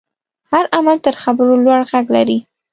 هر عمل تر خبرو لوړ غږ لري.